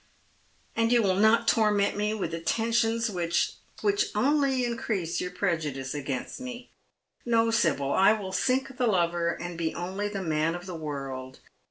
" And you will not torment me with attentions which "" Which only increase yonr prejudice against me. No, Sibyl, I will sink the lover and be only tlie man of the world.